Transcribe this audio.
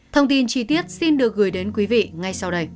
thông tin chi tiết xin được gửi đến quý vị ngay sau đây